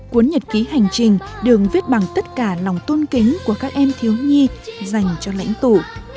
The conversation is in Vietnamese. cuốn nhật ký hành trình được viết bằng tất cả lòng tôn kính của các em thiếu nhi dành cho lãnh tụ